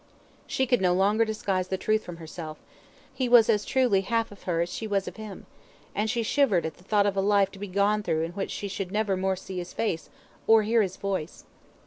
She could no longer disguise the truth from herself he was as truly half of her as she was of him and she shivered at the thought of a life to be gone through in which she should never more see his face, or hear his voice.